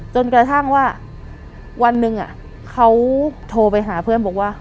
จนกระทั่งว่าวันหนึ่งเขาโทรไปหาเพื่อนบอกว่า